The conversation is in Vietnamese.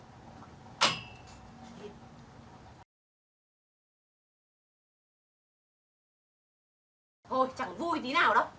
thôi chẳng có vui tí nào đâu